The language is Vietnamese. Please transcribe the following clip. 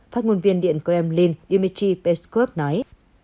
phát ngôn viên điện kremlin dmitry peskov nói